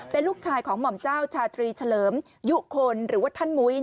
เป็นลูกชายของหม่อมเจ้าชาตรีเฉลิมยุคลหรือว่าท่านมุ้ย